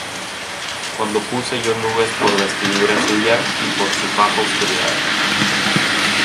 Cuando puse yo nubes por vestidura suya, Y por su faja oscuridad.